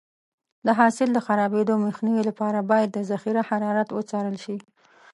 د حاصل د خرابېدو مخنیوي لپاره باید د ذخیره حرارت وڅارل شي.